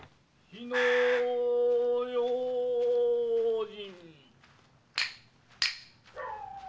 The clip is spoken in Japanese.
火の用心！